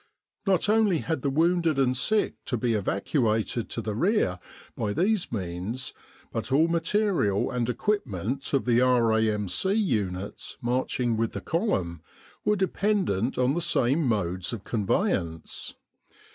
Not only had the wounded and sick to be evacuated to the rear by these means, but all material and equipment of the R.A.M.C. units marching with the column were dependent on the same modes of con veyance.